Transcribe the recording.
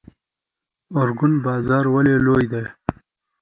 ارګون بازار ولې لوی دی؟